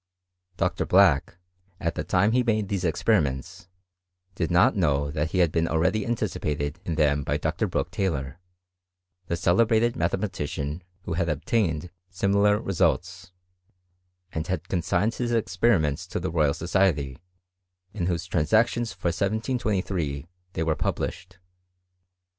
Dr. Black, at the time he made these experiments, did not know that he had been already anticipated in them by Dr. Brooke Taylor, the celebrated mathema* tician, who had obtained similar results, and had con* signed his experiments to the Royal Society, in whose Transactions for 1723 they were published.